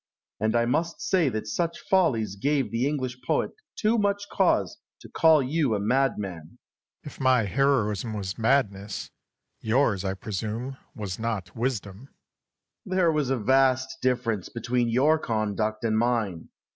And I must say that such follies gave the English poet too much cause to call you a madman. Charles. If my heroism was madness, yours, I presume, was not wisdom. Alexander. There was a vast difference between your conduct and mine.